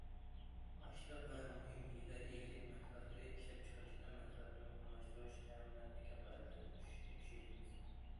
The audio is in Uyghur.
ئاشلىق ۋە مۇھىم يېزا ئىگىلىك مەھسۇلاتلىرى ئىشلەپچىقىرىشىدا مەھسۇلاتنى مۇقىملاشتۇرۇش- تەمىناتنى كاپالەتلەندۈرۈشنى كۈچەيتىمىز.